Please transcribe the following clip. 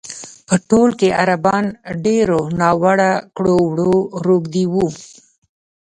په ټول کې عربان ډېرو ناوړه کړو وړو روږ دي وو.